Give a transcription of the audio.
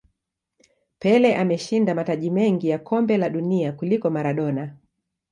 pele ameshinda mataji mengi ya kombe la dunia kuliko maradona